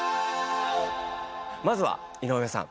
まずは井上さん。